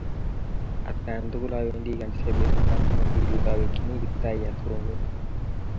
Atkan tukul awendi ganisa petut ap chumombili paawekchini Kiptaiyat kongoi.